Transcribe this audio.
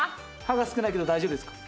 歯が少ないけど大丈夫ですか？